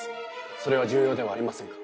それは重要ではありませんか？